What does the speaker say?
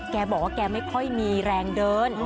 แกบอกว่าแกไม่ค่อยมีแรงเดิน